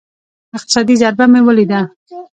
اقتصادي ضربه مې وليده.